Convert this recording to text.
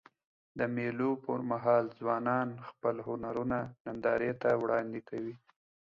د مېلو پر مهال ځوانان خپل هنرونه نندارې ته وړاندي کوي.